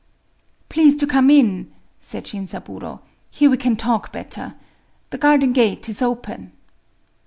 "Please to come in," said Shinzaburō;—"here we can talk better. The garden gate is open."